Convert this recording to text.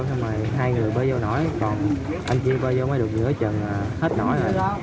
xong rồi hai người bơi vô nổi còn anh kia bơi vô mới được nửa trần hết nổi rồi